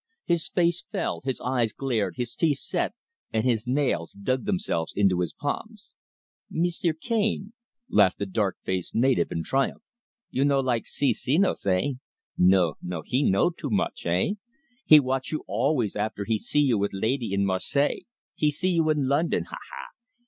His face fell, his eyes glared, his teeth set, and his nails dug themselves into his palms. "Mee ster Cane," laughed the dark faced native, in triumph. "You no like see Senos eh? No, no. He know too much eh? He watch you always after he see you with laidee in Marseilles he see you in London ha! ha!